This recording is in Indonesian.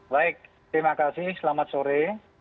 baik terima kasih selamat sore